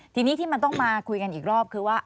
ทีนี้ที่มันต้องมาคุยกันอีกรอบคือว่า